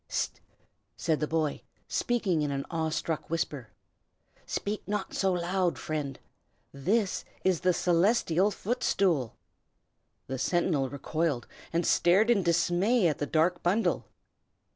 "Hist!" said the boy, speaking in an awestruck whisper, "speak not so loud, friend! This is the Celestial Footstool!" The sentinel recoiled, and stared in dismay at the dark bundle.